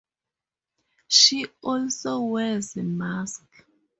She also wears a mask.